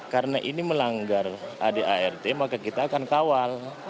karena ini melanggar adart maka kita akan kawal